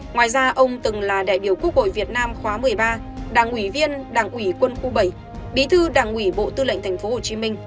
ngoài ra ông từng là đại biểu quốc hội việt nam khóa một mươi ba đảng ủy viên đảng ủy quân khu bảy bí thư đảng ủy bộ tư lệnh tp hcm